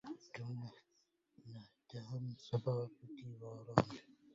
كم نهتهم صبابتي وغرامي